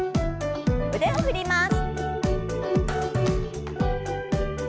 腕を振ります。